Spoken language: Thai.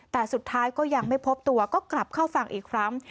แต่สุดท้ายก็ยังไม่พบตัวก็กลับเข้าฝั่งอีกครั้ง